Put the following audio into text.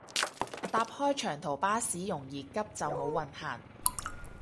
搭開長途巴士容易急就冇運行